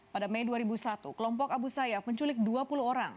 pada mei dua ribu satu kelompok abu sayyaf menculik dua puluh orang